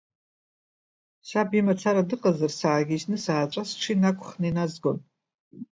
Саб имацара дыҟазар, саагьежьны сааҵәа сҽы инақәхны иназгон.